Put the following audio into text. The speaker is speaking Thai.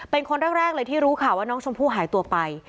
เป็นคนแรกเลยที่รู้ข่าวว่าน้องชมพู่หายตัวไป